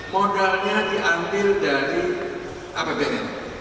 modalnya diantil dari apbn